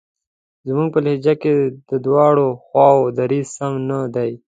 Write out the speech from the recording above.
زموږ په لهجه کې د دواړو خواوو دریځ سم نه دی.